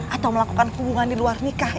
atau melakukan hubungan di luar nikah